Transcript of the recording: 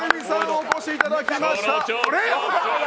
お越しいただきました。